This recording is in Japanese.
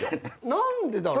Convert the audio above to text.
何でだろう。